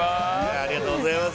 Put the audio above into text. ありがとうございます。